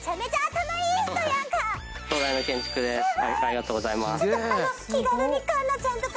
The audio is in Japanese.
ありがとうございます。